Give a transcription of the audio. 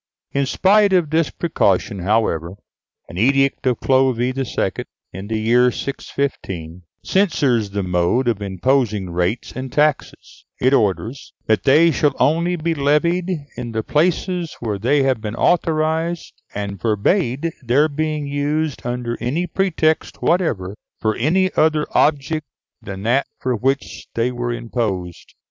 In spite of this precaution, however, an edict of Clovis II., in the year 615, censures the mode of imposing rates and taxes; it orders that they shall only be levied in the places where they have been authorised, and forbade their being used under any pretext whatever for any other object than that for which they were imposed.